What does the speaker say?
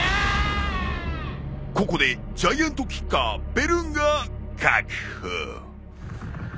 ここでジャイアントキッカーベルンガ確保。